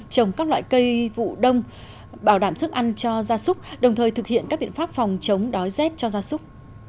trồng các loại cây vụ đông bảo đảm thức ăn cho gia súc đồng thời thực hiện các biện pháp phòng chống đói rét cho gia súc